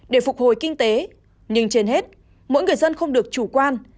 để phục hồi kinh tế nhưng trên hết mỗi người dân không được chủ quan